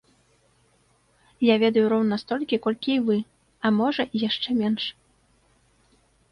Я ведаю роўна столькі, колькі і вы, а можа, і яшчэ менш.